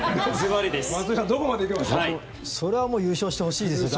それはもう優勝してほしいです。